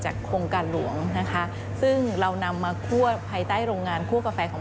โครงการหลวงนะคะซึ่งเรานำมาคั่วภายใต้โรงงานคั่วกาแฟของ